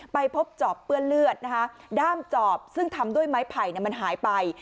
ไปพบจอบเปื้อนเลือดนะคะด้ามจอบซึ่งทำด้วยไม้ไผ่มันหายไป